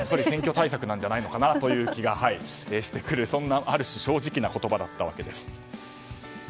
選挙対策なんじゃないかなという気がしてくるそんな正直な言葉だったわけです。